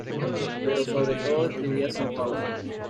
Pero sobre todo escribía sin pausa.